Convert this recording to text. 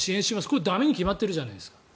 これ駄目に決まってるじゃないですか。